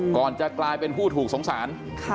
ก่อนจะกลายเป็นผู้ถูกสงสาร